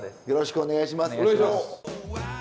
よろしくお願いします。